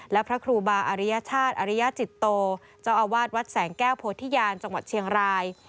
และพระครูบาอริยชาติอริยจิตโตเจ้าอาวาสวัดแสงแก้วโพธิญาณจังหวัดเชียงราย